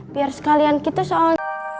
biar sekalian gitu soal